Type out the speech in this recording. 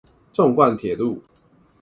縱貫鐵路